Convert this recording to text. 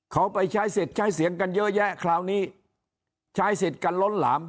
เขาไปใช้สิทธิ์ใช้เสียงกันเยอะแยะคราวนี้ใช้สิทธิ์กันล้นหลาม